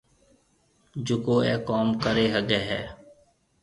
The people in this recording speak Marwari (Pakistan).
جڪو اَي ڪوم ڪريَ هگھيََََ هيَ۔